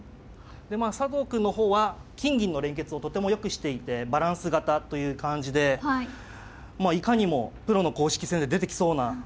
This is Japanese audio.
でまあ佐藤くんの方は金銀の連結をとてもよくしていてバランス型という感じでまあいかにもプロの公式戦で出てきそうな。